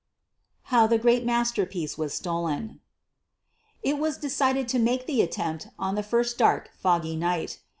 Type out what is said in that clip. HOW THE GREAT MASTERPIECE WAS STOLEN It was decided to make the attempt on the first dark, foggy night.